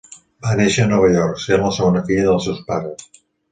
Va néixer a Nova York, sent la segona filla dels seus pares.